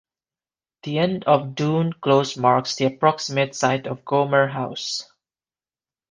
The end of Doone Close marks the approximate site of Gomer House.